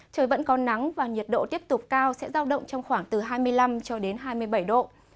trời vẫn có nắng và nhiệt độ tiếp tục cao sẽ giao động trong khoảng từ hai mươi năm cho đến hai mươi bảy độ